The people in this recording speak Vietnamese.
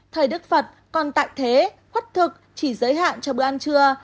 thầy đức phật còn tại thế khuất thực chỉ giới hạn cho bữa ăn trưa